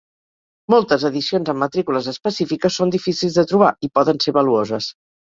Moltes edicions amb matrícules específiques són difícils de trobar i poden ser valuoses.